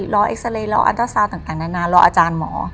รอเอ็กซ์ไลล์รออัลเตอร์ซาวต่างนานรออาจารย์หมอ